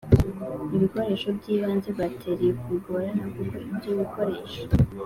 ibikoresho by ibanze batteries bigorana kuko ibyo bikoresho